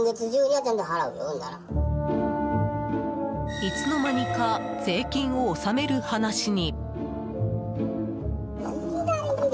いつの間にか税金を納める話に。